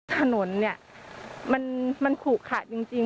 ถนนเนี่ยมันผูกขาดจริง